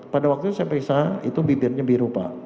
pada waktu itu saya periksa itu bibirnya biru pak